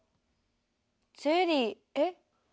ゼリーえ？